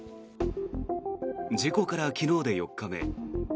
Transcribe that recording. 事故から昨日で４日目。